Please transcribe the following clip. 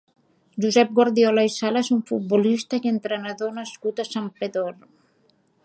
Josep Guardiola i Sala és un futbolista i entrenador nascut a Santpedor.